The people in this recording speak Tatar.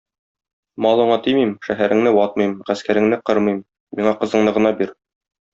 Малыңа тимим, шәһәреңне ватмыйм, гаскәреңне кырмыйм, миңа кызыңны гына бир.